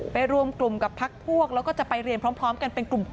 รวมกลุ่มกับพักพวกแล้วก็จะไปเรียนพร้อมกันเป็นกลุ่ม